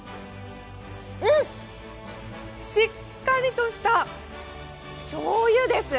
しっかりとしたしょうゆです。